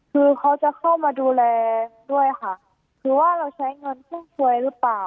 คือเขาจะเข้ามาดูแลด้วยค่ะคือว่าเราใช้เงินฟุ่มฟวยหรือเปล่า